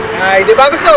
nah ini bagus dong